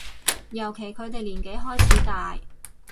尤其佢哋年紀開始大